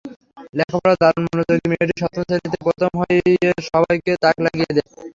লেখাপড়ায় দারুণ মনোযোগী মেয়েটি সপ্তম শ্রেণিতে প্রথম হয়ে সবাইকে তাক লাগিয়ে দেয়।